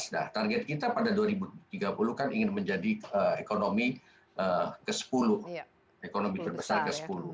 nah target kita pada dua ribu tiga puluh kan ingin menjadi ekonomi ke sepuluh